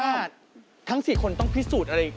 ทั้ง๔คนต้องพิสูจน์อะไร